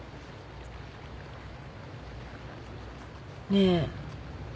ねえ。